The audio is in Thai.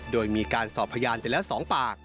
โดยมีการสอบพยานแต่ละสองปาก